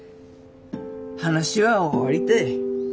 話は終わりたい。